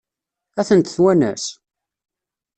Ad tent-twanes?